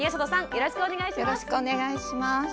よろしくお願いします。